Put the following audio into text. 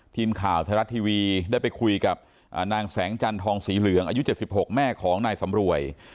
ทีมข่าวไทยรัฐทีวีได้ไปคุยกับนางแสงจันทองสีเหลืองอายุ๗๖แม่ของนายสำรวย